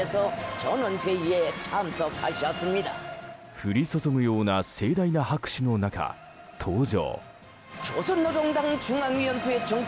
降り注ぐような盛大な拍手の中登場。